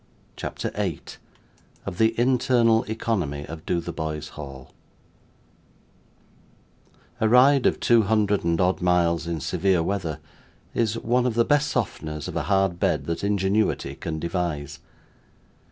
CHAPTER 8 Of the Internal Economy of Dotheboys Hall A ride of two hundred and odd miles in severe weather, is one of the best softeners of a hard bed that ingenuity can devise.